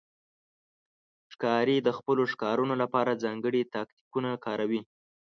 ښکاري د خپلو ښکارونو لپاره ځانګړي تاکتیکونه کاروي.